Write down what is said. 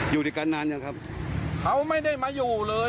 อยู่ด้วยกันนานยังครับเขาไม่ได้มาอยู่เลย